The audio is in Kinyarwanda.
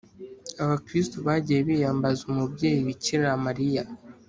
abakristu bagiye biyambaza umubyeyi bikira mariya,